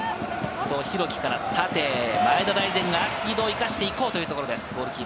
伊藤洋輝から当たって前田大然がスピードを生かしていこうというところです。